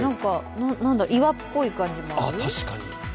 岩っぽい感じもある？